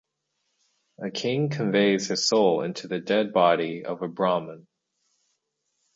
A king conveys his soul into the dead body of a Brahman.